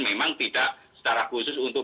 memang tidak secara khusus untuk